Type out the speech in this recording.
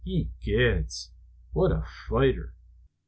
Ye gods, what a fighter!"